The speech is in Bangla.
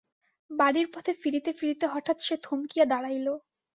বাড়ির পথে ফিরিতে ফিরিতে হঠাৎ সে থমকিয়া দাঁড়াইল।